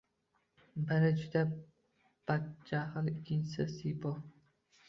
Biri juda badjahl, ikkinchisi sipo.